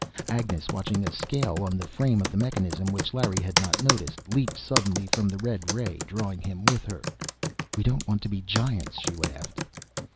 Agnes, watching a scale on the frame of the mechanism, which Larry had not noticed, leaped suddenly from the red ray, drawing him with her. "We don't want to be giants!" she laughed.